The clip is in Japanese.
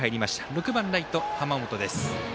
６番ライト、濱本です。